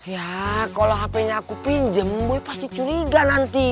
ya kalau hpnya aku pinjem boy pasti curiga nanti